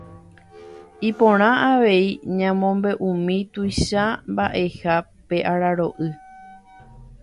Iporã avei ñamombe'umi tuicha mba'eha pe araro'y